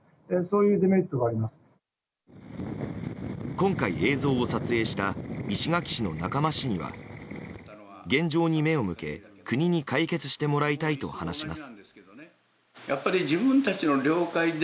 今回、映像を撮影した石垣市の仲間市議は現状に目を向け国に解決してもらいたいと話します。